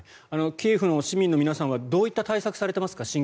キエフの市民の皆さんはどういった対策をされていますか？